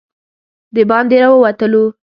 د باندې راووتلو.